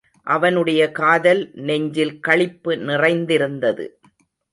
அவனுடைய காதல் நெஞ்சில் களிப்பு நிறைந்திருந்தது.